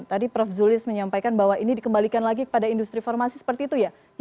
tadi prof zulis menyampaikan bahwa ini dikembalikan lagi kepada industri farmasi seperti itu ya